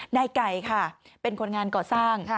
นายไก่ค่ะเป็นคนงานก่อสร้าง